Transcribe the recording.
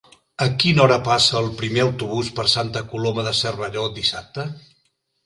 A quina hora passa el primer autobús per Santa Coloma de Cervelló dissabte?